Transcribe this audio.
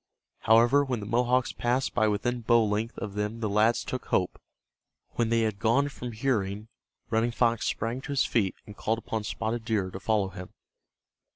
However, when the Mohawks passed by within bow length of them the lads took hope. When they had gone from hearing, Running Fox sprang to his feet and called upon Spotted Deer to follow him.